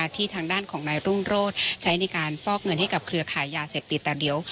ทางด้านของนายรุ่งโรธใช้ในการฟอกเงินให้กับเครือขายยาเสพติดแต่เดี๋ยว